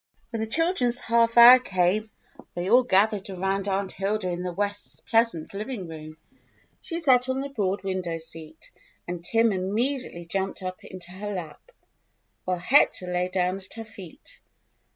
When the children's half hour came, they all gath ered around Aunt Hilda in the Wests' pleasant living room. She sat on the broad window seat, and Tim immediately jumped into her lap, while Hector lay down at her feet.